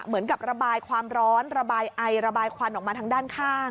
ระบายความร้อนระบายไอระบายควันออกมาทางด้านข้าง